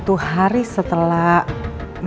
tapi kalau itu standardsdsm